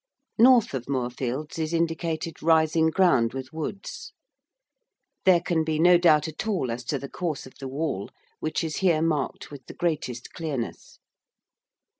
North of Moorfields is indicated rising ground with woods. There can be no doubt at all as to the course of the wall, which is here marked with the greatest clearness.